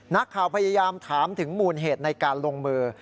นักข่าวพยายามถามถึงมูลเหตุในการลงมือ